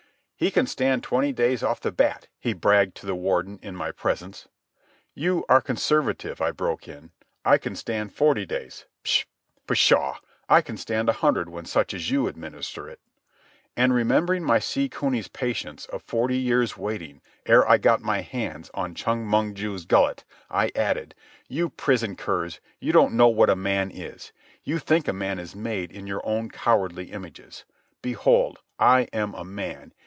"He can stand twenty days off the bat," he bragged to the Warden in my presence. "You are conservative," I broke in. "I can stand forty days. Pshaw! I can stand a hundred when such as you administer it." And, remembering my sea cuny's patience of forty years' waiting ere I got my hands on Chong Mong ju's gullet, I added: "You prison curs, you don't know what a man is. You think a man is made in your own cowardly images. Behold, I am a man.